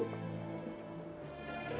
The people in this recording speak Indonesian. ya mbak robby tolong bilangin ke cimelan